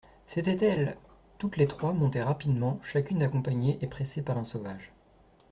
C'étaient elles ! toutes les trois montaient rapidement, chacune accompagnée et pressée par un sauvage.